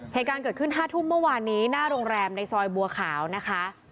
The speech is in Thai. เหตุการณ์เกิดขึ้น๕ทุ่มเมื่อวานนี้หน้าโรงแรมในซอยบัวขาวนะคะ